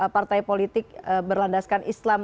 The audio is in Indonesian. partai politik berlandaskan islam